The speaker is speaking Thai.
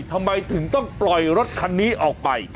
ทำไมถึงต้องปล่อยรถคันนี้ออกไป